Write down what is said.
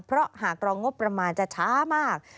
เพราะหากรองงบประมาณจะช้ามาก